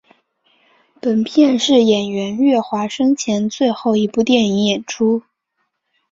本片是演员岳华生前的最后一部电影演出。